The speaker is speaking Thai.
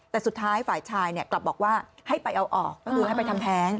แต่สุดท้ายฝ่ายชายกลับบอกว่าให้ไปเอาออกก็คือให้ไปทำแท้ง